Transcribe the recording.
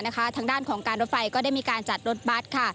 ทางด้านของการรถไฟก็ได้มีการจัดรถบัตรค่ะ